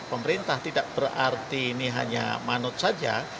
pemerintah tidak berarti ini hanya manut saja